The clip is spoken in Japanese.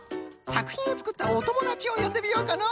さくひんをつくったおともだちをよんでみようかの。